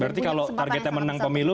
berarti kalau targetnya menang pemilu